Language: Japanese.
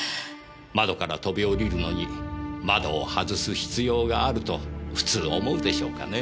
窓から飛び降りるのに窓を外す必要があると普通思うでしょうかね？